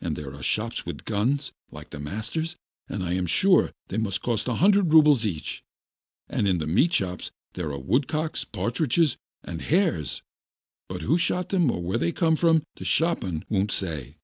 And there are shops with guns, like the master's, and I am sure they must cost 100 rubles each. And in the meat shops there are woodcocks, partridges, and hares, but who shot them or where they come from, the shopman won't say.